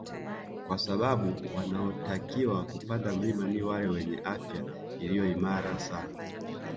Kwa sababu wanaotakiwa kupanda milima ni wale wenye afya iliyo imara sana